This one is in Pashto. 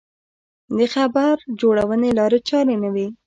د خبر جوړونې لارې چارې نه وې.